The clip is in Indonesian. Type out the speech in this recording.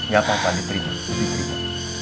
gak apa apa diterima